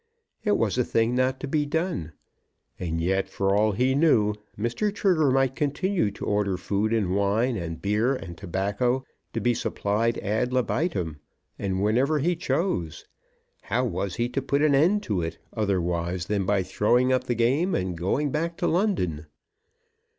It was a thing not to be done, and yet, for aught he knew, Mr. Trigger might continue to order food and wine, and beer and tobacco, to be supplied ad libitum, and whenever he chose. How was he to put an end to it, otherwise than by throwing up the game, and going back to London?